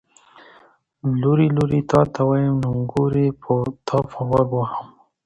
ـ لورې لورې تاته ويم، نګورې تاپه غوږ وهم.